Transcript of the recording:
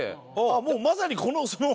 もうまさにこのその。